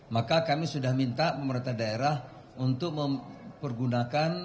maka kami sudah minta pemerintah daerah untuk mempergunakan